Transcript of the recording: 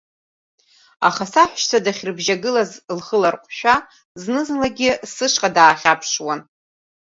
Аха саҳәшьцәа дахьрыбжьагылаз лхы ларҟәшәа зны-зынлагьы сышҟа даахьаԥшуан.